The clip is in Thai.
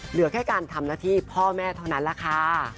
เหลือแค่การทำหน้าที่พ่อแม่เท่านั้นแหละค่ะ